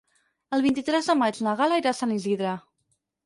El vint-i-tres de maig na Gal·la irà a Sant Isidre.